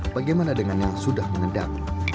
bagaimana dengan yang sudah mengedap